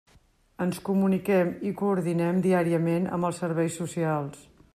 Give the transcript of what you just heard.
Ens comuniquem i coordinem diàriament amb els Serveis Socials.